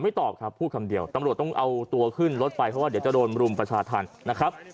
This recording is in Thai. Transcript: ตอบครับพูดคำเดียวตำรวจต้องเอาตัวขึ้นรถไปเพราะว่าเดี๋ยวจะโดนรุมประชาธรรมนะครับ